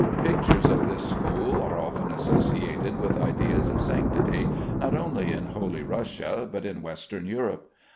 Pictures of this school are often associated with ideas of sanctity, not only in holy Russia but in Western Europe.